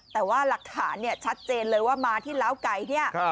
แต่ว่าหลักฐานเนี่ยชัดเจนเลยว่ามาที่ล้าวไก่เนี่ย